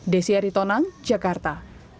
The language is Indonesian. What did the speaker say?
desi aritonang jakarta